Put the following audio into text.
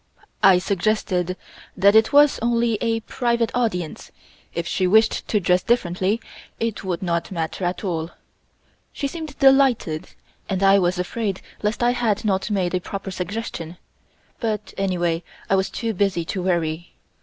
I suggested that as it was only a private audience, if she wished to dress differently, it would not matter at all. She seemed delighted, and I was afraid lest I had not made a proper suggestion, but anyway I was too busy to worry.